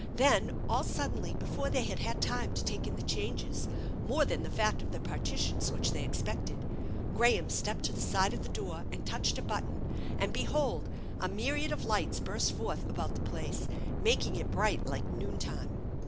Then all suddenly, before they had had time to take in , the changes, more than the fact of the partitions which they expected, Graham stepped to the side of the door, and touched a button, and behold a myriad of lights burst forth about the place, making it bright like noontime.